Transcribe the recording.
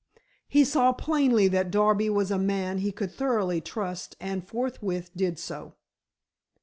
He saw plainly that Darby was a man he could thoroughly trust and forthwith did so.